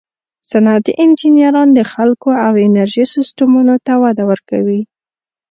صنعتي انجینران د خلکو او انرژي سیسټمونو ته وده ورکوي.